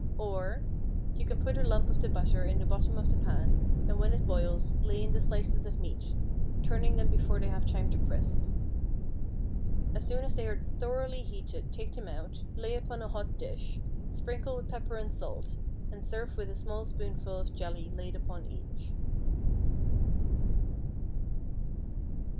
Or, You can put a lump of the butter in the bottom of the pan, and when it boils, lay in the slices of meat, turning them before they have time to crisp. As soon as they are thoroughly heated take them out, lay upon a hot dish, sprinkle with pepper and salt, and serve with a small spoonful of jelly laid upon each.